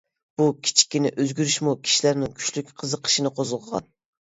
بۇ كىچىككىنە ئۆزگىرىشمۇ كىشىلەرنىڭ كۈچلۈك قىزىقىشىنى قوزغىغان.